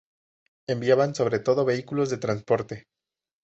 Enviaban, sobre todo, vehículos de transporte.